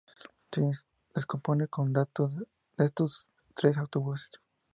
Se desconocen más datos de estos tres autobuses.